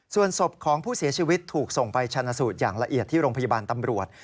ส่วนศพของผู้เสียชีวิตถูกส่งไปชนะสูตรอย่างละเอียดที่โรงพยาบาลตำรวจ